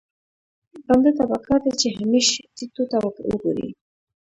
بنده ته پکار ده چې همېش ټيټو ته وګوري.